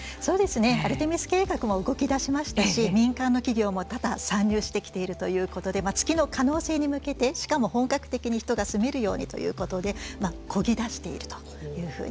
アルテミス計画も動きだしましたし民間の企業も多々参入してきているということで月の可能性に向けてしかも本格的に人が住めるようにとこぎだしているというふうに。